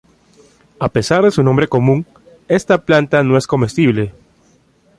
A pesar de su nombre común, esta planta no es comestible.